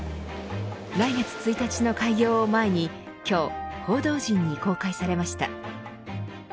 来月１日の開業を前に今日、報道陣に公開されました。